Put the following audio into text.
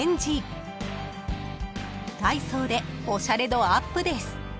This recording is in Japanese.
［ダイソーでおしゃれ度アップです］